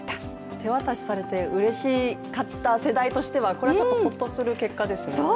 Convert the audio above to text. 手渡しされてうれしかった世代としてはこれはちょっとほっとする結果ですね。